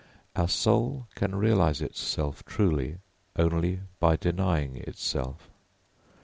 Our soul can realise itself truly only by denying itself.